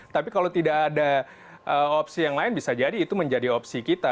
tapi kalau tidak ada opsi yang lain bisa jadi itu menjadi opsi kita